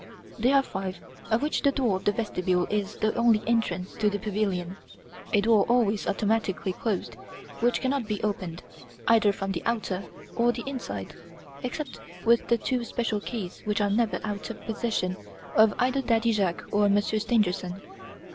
"There are five, of which the door of the vestibule is the only entrance to the pavilion, a door always automatically closed, which cannot be opened, either from the outer or inside, except with the two special keys which are never out of the possession of either Daddy Jacques or Monsieur Stangerson.